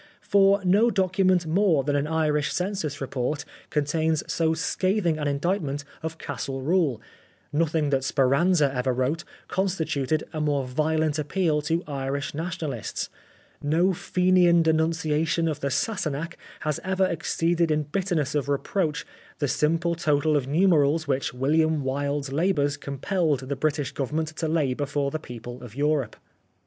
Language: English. For no document more than an Irish Census Report contains so scathing an indictment of Castle rule ; nothing that Speranza ever wrote constituted a more violent appeal to Irish Nationahsts ; no Fenian denunciation of the Sassenach has ever exceeded in bitterness of reproach the simple total of numerals which WiUiam Wilde's labours com 19 The Life of Oscar Wilde pelled the British Government to lay before the people of Europe.